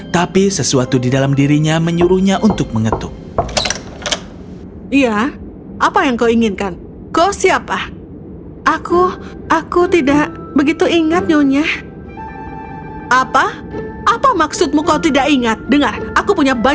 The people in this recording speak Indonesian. tapi sesuatu di dalam dirinya menyuruhnya untuk mengetuk